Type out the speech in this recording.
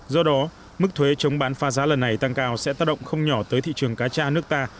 do đó mức thuế chống bán pha giá lần này tăng cao sẽ tác động không nhỏ tới thị trường cá cha nước ta